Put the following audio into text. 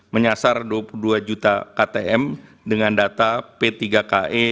menyasar dua puluh dua juta ktm dengan data p tiga ka